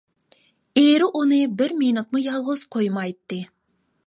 ئېرى ئۇنى بىر مىنۇتمۇ يالغۇز قويمايتتى.